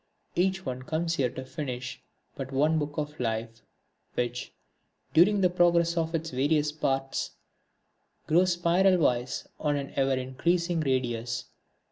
Each one comes here to finish but one book of life, which, during the progress of its various parts, grows spiral wise on an ever increasing radius.